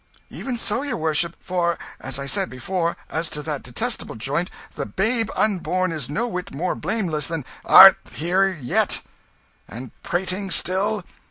"Even so, your worship for, as I said before, as to that detestable joint, the babe unborn is no whit more blameless than " "Art here yet! And prating still!